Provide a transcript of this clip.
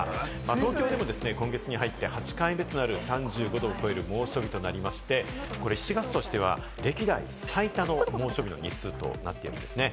東京でも今月に入って８回目となる３５度を超える猛暑日となりまして、これ、７月としては歴代最多の猛暑日の日数となっておりますね。